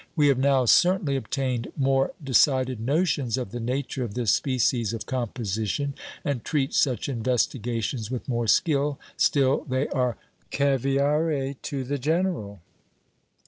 We have now certainly obtained more decided notions of the nature of this species of composition, and treat such investigations with more skill; still they are "caviare to the general."